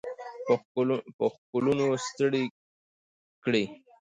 په ښکلونو ستړي کړي